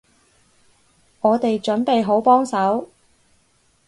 我哋準備好幫手